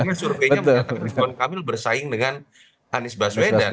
karena surveinya menurut ridwan kamil bersaing dengan anies baswedan